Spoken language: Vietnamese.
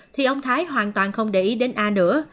thì ông thái hoàn toàn không để ý đến ai nữa